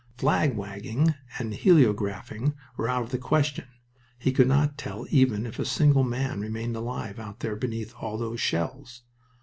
Flag wagging and heliographing were out of the question. He could not tell even if a single man remained alive out there beneath all those shells.